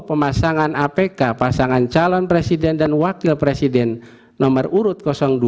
pemasangan apk pasangan calon presiden dan wakil presiden nomor urut dua